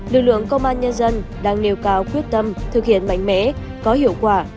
lực lượng công an nhân dân đang nêu cao quyết tâm thực hiện mạnh mẽ có hiệu quả